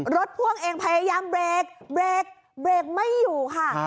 รถพ่วงเองพยายามเบรกไม่อยู่ค่ะ